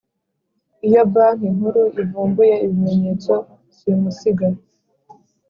Iyo Banki Nkuru ivumbuye ibimenyetso simusiga